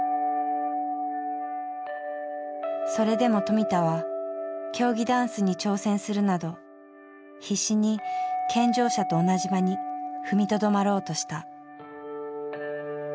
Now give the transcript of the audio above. それでも富田は競技ダンスに挑戦するなど必死に健常者と同じ場に踏みとどまろうとした。